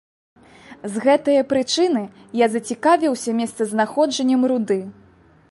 З гэтае прычыны я зацікавіўся месцазнаходжаннем руды.